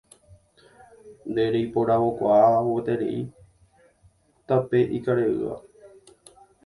Nde reiporavokuaa gueterei tape ikareʼỹva